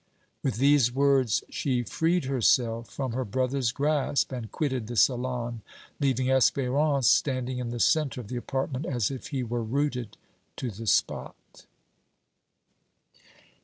With these words she freed herself from her brother's grasp and quitted the salon, leaving Espérance standing in the centre of the apartment as if he were rooted to the spot.